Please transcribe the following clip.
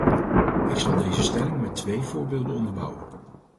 Ik zal deze stelling met twee voorbeelden onderbouwen.